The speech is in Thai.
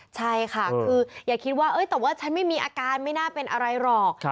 ใช่ค่ะคืออย่าคิดว่าแต่ว่าฉันไม่มีอาการไม่น่าเป็นอะไรหรอก